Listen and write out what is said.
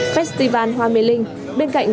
festival hoa mê linh bên cạnh